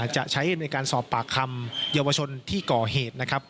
จะใช้มาสอบปากคำยาววชนที่่กม